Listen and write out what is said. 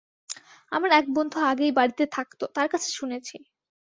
আমার এক বন্ধু আগে এই বাড়িতে থাকত, তার কাছে শুনেছি।